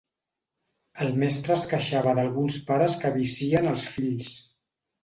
El mestre es queixava d'alguns pares que avicien els fills.